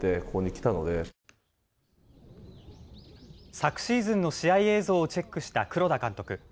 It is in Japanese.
昨シーズンの試合映像をチェックした黒田監督。